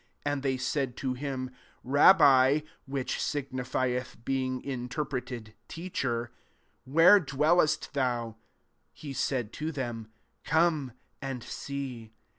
And they said to him, " Rabbi, (which signifieth, being interpreted, Teacher,) where dvvellest thou ?" 39 He said to them, " Come and see."